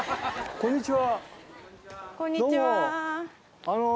こんにちは。